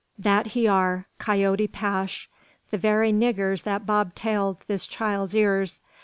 "That he are, Coyote 'Pash, the very niggurs that bobtailed this child's ears.